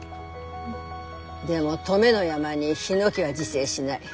でも登米の山にヒノキは自生しない。